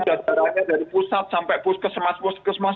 dari pusat sampai puskesmas